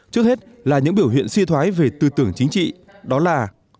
trước hết là những biểu hiện suy thoái về tư tưởng chính trị đó là